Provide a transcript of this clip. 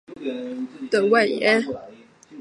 北坞村成为清漪园西部耕织图景区的外延。